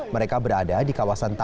mereka berada di kawasan taman